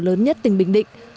lớn nhất tỉnh bình định